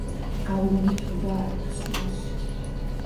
ეს ფაქტი მონღოლთა შორის მიღებული წესის გავლენით უნდა აიხსნას.